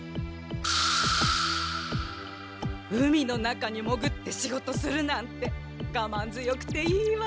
海の中にもぐって仕事するなんてがまんづよくていいわ。